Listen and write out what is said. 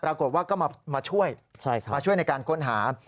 ปรากฏว่าก็มาช่วยมาช่วยในการค้นหา